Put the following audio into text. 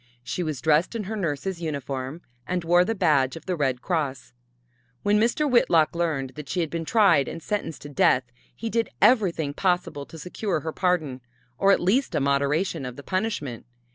She was dressed in her nurse's uniform and wore the badge of the Red Cross. When Mr. Whitlock learned that she had been tried and sentenced to death he did everything possible to secure her pardon, or at least a moderation of the punishment.